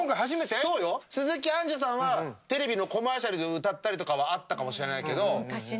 鈴木杏樹さんはテレビのコマーシャルで歌ったりとかはあったかもしれないけど。